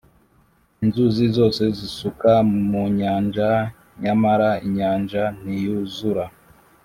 Inzuzi zose zisuka munyanja nyamara inyanja ntiyuzura